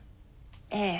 ええ。